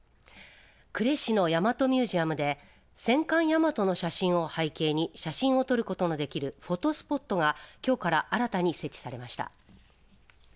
呉市の大和ミュージアムで戦艦大和の写真を背景に写真を撮ることのできるフォトスポットがきょうから新たに設置されました。